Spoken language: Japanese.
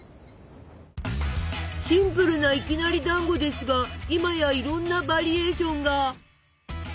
シンプルないきなりだんごですが今やいろんなバリエーションが！